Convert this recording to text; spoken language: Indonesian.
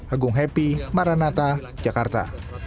agung happy maranata jakarta